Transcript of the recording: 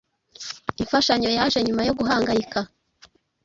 Imfashanyo yaje nyuma yo guhangayika-